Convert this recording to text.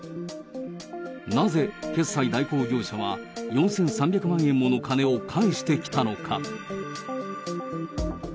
なぜ決済代行業者は、４３００万円もの金を返してきたのか。